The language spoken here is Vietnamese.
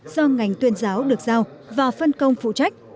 do ngành tuyên giáo được giao và phân công phụ trách